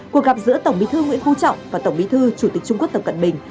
cuộc gặp giữa tổng bí thư nguyễn phú trọng và tổng bí thư chủ tịch trung quốc tập cận bình